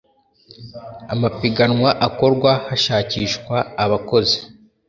amapiganwa akorwa hashakishwa abakozi.